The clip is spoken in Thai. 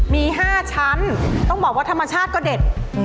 มี๕ชั้นต้องบอกว่าธรรมชาติก็เด็ด